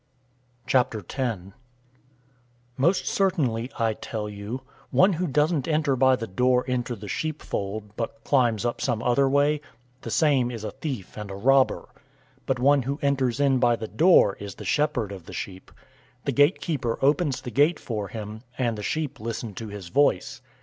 010:001 "Most certainly, I tell you, one who doesn't enter by the door into the sheep fold, but climbs up some other way, the same is a thief and a robber. 010:002 But one who enters in by the door is the shepherd of the sheep. 010:003 The gatekeeper opens the gate for him, and the sheep listen to his voice.